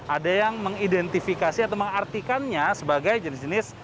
ada yang mengidentifikasi atau mengartikannya sebagai jenis jenis